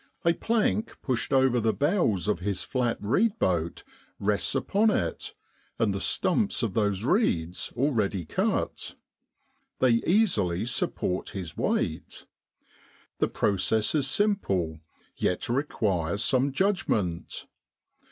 A plank pushed over the bows of his flat reed boat rests upon it and the stumps of those reeds already cut ; DECEMBER IN SROADLAND. 133 they easily support his weight. The process is simple, yet requires some judg ment.